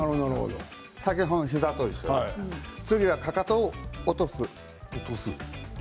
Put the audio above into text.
先ほどの膝と一緒で次は、かかとを落とす。